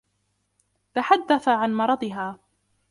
تحدّث عن مرضها.